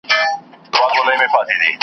یو ځل بیا له خپل دښمنه په امان سو .